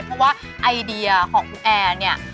เพราะว่าไอเดียของคุณแอร์เนี่ย